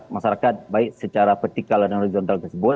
masyarakat baik secara vertikal dan horizontal tersebut